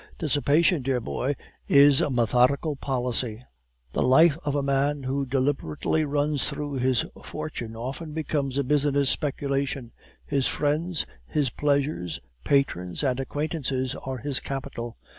Dissipation, dear boy, is a methodical policy. The life of a man who deliberately runs through his fortune often becomes a business speculation; his friends, his pleasures, patrons, and acquaintances are his capital.